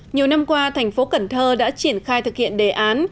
nhiều năm qua thành phố cần thơ đã triển khai thực hiện đề án